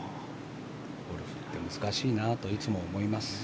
ゴルフって難しいなといつも思います。